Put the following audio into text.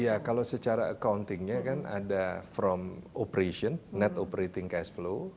ya kalau secara accountingnya kan ada from operation net operating cash flow